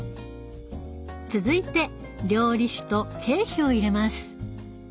続いて料理酒と桂皮を入れます。